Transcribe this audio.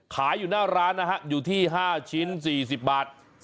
อยู่หน้าร้านนะฮะอยู่ที่๕ชิ้น๔๐บาท